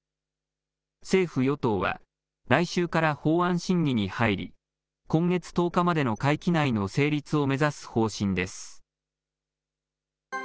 政府・与党は来週から法案審議に入り、今月１０日までの会期内の成立を目指す方針です。